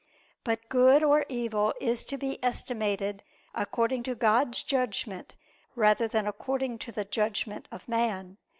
But good or evil is to be estimated according to God's judgment rather than according to the judgment of man.